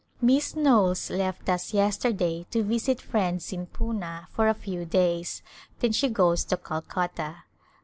Miss Knowles left us yesterday to visit friends in Poona for a few days, then she goes to Calcutta.